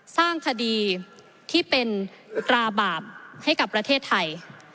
สร้างคดีที่เป็นตราบาปให้กับประเทศไทย